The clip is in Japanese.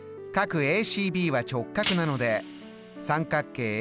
∠ＡＣＢは直角なので三角形